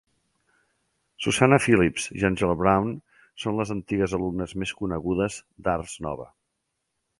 Susanna Phillips i Angela Brown són les antigues alumnes més conegudes d'Ars Nova.